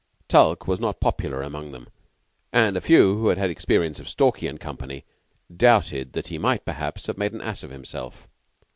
Tulke was not popular among them, and a few who had had experience of Stalky and Company doubted that he might, perhaps, have made an ass of himself.